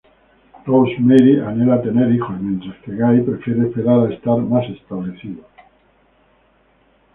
Rosemary anhela tener hijos, mientras que Guy prefiere esperar a estar más establecidos.